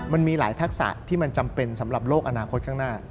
มันมีหลายทักษะที่มันจำเป็นสำหรับโลกอนาคตข้างหน้า